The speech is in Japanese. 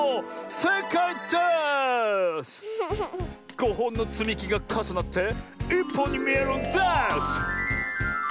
５ほんのつみきがかさなって１ぽんにみえるんです！